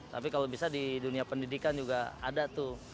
tapi kalau bisa di dunia pendidikan juga ada tuh